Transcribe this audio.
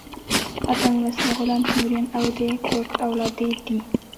اتم لوست مغولان، تیموریان او د کرت اولادې دي.